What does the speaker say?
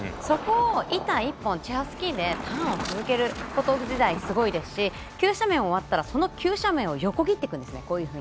そこを、板１本チェアスキーでターンを続けること自体すごいですし、急斜面終わったらその急斜面を横切っていくんです。